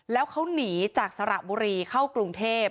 แล้วเขาหนีจากสระบุรีเข้ากรุงเทพ